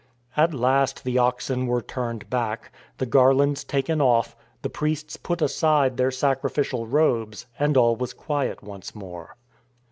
At last the oxen were turned back, the garlands taken off, the priests put aside their sacrifi cial robes; and all was quiet once more.